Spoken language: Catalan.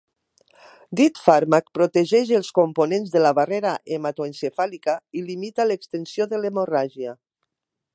Dit fàrmac protegeix els components de la barrera hematoencefàlica i limita l'extensió de l'hemorràgia.